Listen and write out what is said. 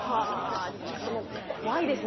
ちょっともう怖いですね